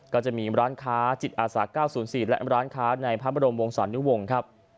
ก็จะมีร้านค้าจิตอาสา๙๐๔และร้านค้าในพระบรมวงศานุวงศ์ครับ